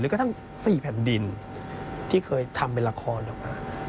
กระทั่ง๔แผ่นดินที่เคยทำเป็นละครออกมา